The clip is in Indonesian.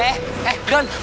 eh eh don